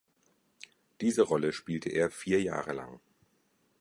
Diese Rolle spielte er vier Jahre lang.